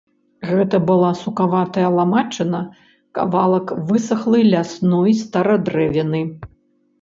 Гэта была сукаватая ламачына, кавалак высахлай лясной старадрэвіны.